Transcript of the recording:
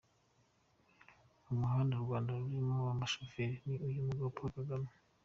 Mu muhanda u Rwanda rurimo umushoferi ni uyu mugabo Paul Kagame.